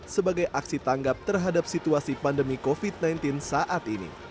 sebagai aksi tanggap terhadap situasi pandemi covid sembilan belas saat ini